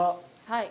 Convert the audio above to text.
はい。